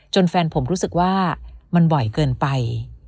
แฟนผมรู้สึกว่ามันบ่อยเกินไป